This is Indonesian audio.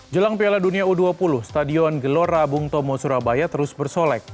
jelang piala dunia u dua puluh stadion gelora bung tomo surabaya terus bersolek